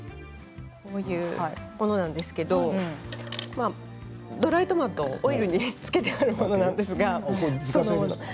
こういうものなんですけれどドライトマトをオイルに漬けてあるものなんですが。